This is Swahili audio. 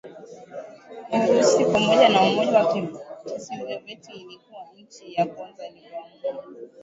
Urusi pamoja na Umoja wa Kisovyeti ilikuwa nchi ya kwanza iliyoamua